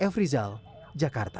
f rizal jakarta